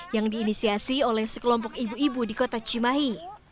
yang diinisiasi oleh sekelompok ibu ibu di kota cimahi